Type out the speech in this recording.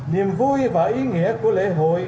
niềm vui và ý nghĩa của lễ hội